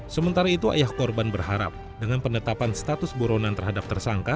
sementara itu ayah korban berharap dengan penetapan status buronan terhadap tersangka